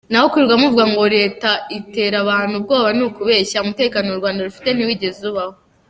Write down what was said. Naho kwirirwa muvuga ngo reta itera abantu ubwoba nukubeshya, umutekano urwanda rufite ntiwigeze ubaho.